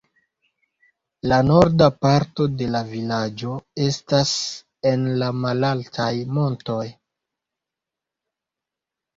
La norda parto de la vilaĝo estas en la malaltaj montoj.